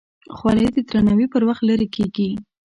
خولۍ د درناوي پر وخت لرې کېږي.